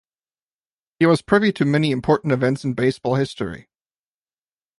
He was privy to many important events in baseball history.